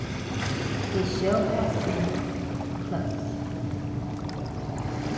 The show has since closed.